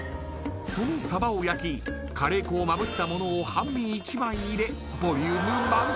［そのさばを焼きカレー粉をまぶしたものを半身１枚入れボリューム満点］